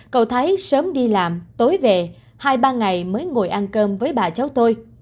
cầu thái sớm đi làm tối về hai ba ngày mới ngồi ăn cơm với bà cháu tôi